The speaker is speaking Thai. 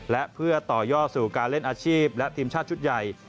และเพื่อต่อยอดสู่การเล่นอาชีพและทีมชาติชุดใหญ่